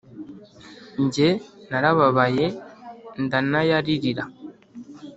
jye narababaye ndanayaririra